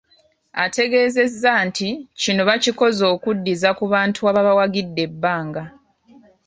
Ategeezezza nti kino bakikoze okuddiza ku bantu ababawagidde ebbanga.